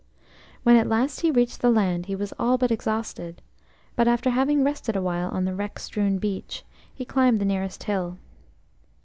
When at last he reached the land he was all but exhausted, but after having rested awhile on the wreck strewn beach, he climbed the nearest hill.